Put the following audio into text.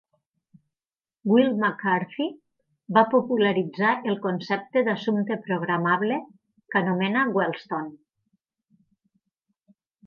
Wil McCarthy va popularitzar el concepte de assumpte programable, que anomena "wellstone".